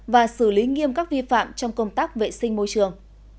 và xử lý nghiêm các vi phạm trong công tác vệ sinh môi trường